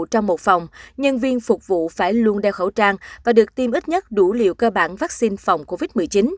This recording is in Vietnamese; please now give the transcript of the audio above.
trong một phòng nhân viên phục vụ phải luôn đeo khẩu trang và được tiêm ít nhất đủ liều cơ bản vaccine phòng covid một mươi chín